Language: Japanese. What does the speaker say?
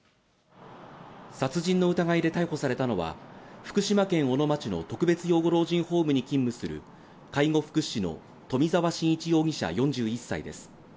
殺人の疑いで逮捕されたのは、福島県小野町の特別養護老人ホームに勤務する、介護福祉士の冨澤伸一容疑者４１歳です。